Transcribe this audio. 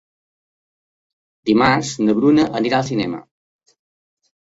Dimarts na Bruna anirà al cinema.